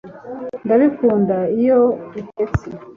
ndabikunda iyo utetse